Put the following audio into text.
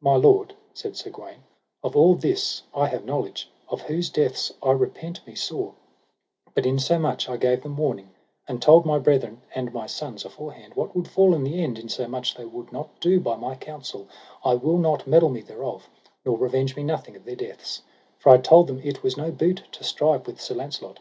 My lord, said Sir Gawaine, of all this I have knowledge, of whose deaths I repent me sore; but insomuch I gave them warning, and told my brethren and my sons aforehand what would fall in the end, insomuch they would not do by my counsel, I will not meddle me thereof, nor revenge me nothing of their deaths; for I told them it was no boot to strive with Sir Launcelot.